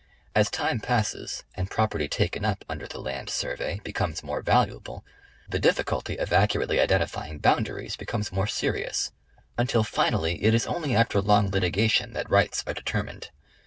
As time passes and pro perty taken up under the " land survey " becomes more valuable, the difficulty of accurately identifying boundaries becomes more serious, until finally, it is only after long litigation that rights are determined.